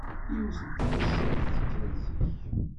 Yiwet n tnezzayt tekker zik.